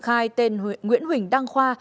khai tên nguyễn huỳnh đăng khoa